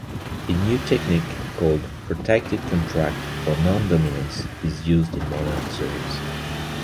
A new technique, called "protected contact" or "non-dominance" is used in modern zoos.